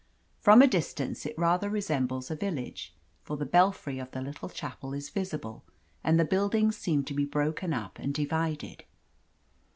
From a distance it rather resembles a village, for the belfry of the little chapel is visible and the buildings seem to be broken up and divided.